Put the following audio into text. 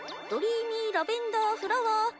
ドリーミーラベンダーフラワー？